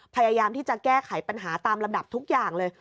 พยายามที่จะแก้ไขปัญหาตามลำดับทุกอย่างเลย